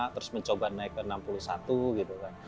terus mencoba naik ke enam puluh satu gitu kan